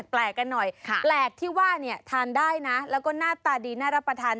แปลกกันหน่อยแปลกที่ว่าเนี่ยทานได้นะแล้วก็หน้าตาดีน่ารับประทาน